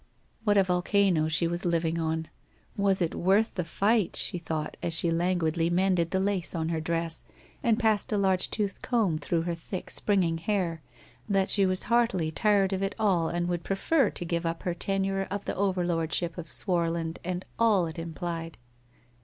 What a volcano she was living on! Was it worth the fight? She thought as she lan guidly mended the lace on her dress, and passed a large toothed comb through her thick springing hair, that she was heartily tired of it all and would prefer to give up her tenure of the overlordship of Swarland and all it implied.